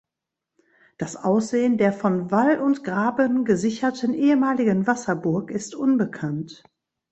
Das Aussehen der von Wall und Graben gesicherten ehemaligen Wasserburg ist unbekannt.